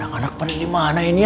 anak anak perempuan dimana ini ya